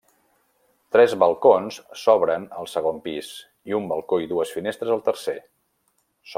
Tres balcons s'obren al segon pis i un balcó i dues finestres al tercer.